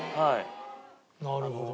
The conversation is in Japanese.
なるほど。